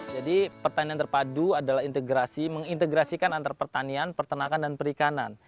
jadi pertanian terpadu adalah integrasi mengintegrasikan antar pertanian peternakan dan perikanan